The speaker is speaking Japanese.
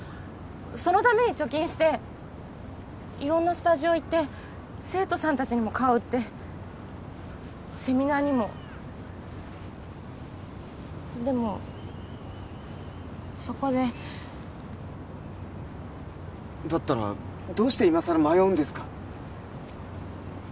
そのために貯金して色んなスタジオ行って生徒さん達にも顔売ってセミナーにもでもそこでだったらどうして今更迷うんですか？